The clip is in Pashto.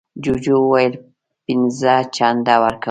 جوجو وویل پینځه چنده ورکوم.